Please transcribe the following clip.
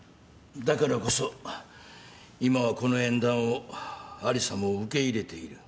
だからこそ今はこの縁談を有沙も受け入れている。